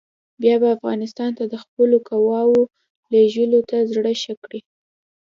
بیا به افغانستان ته د خپلو قواوو لېږلو ته زړه ښه کړي.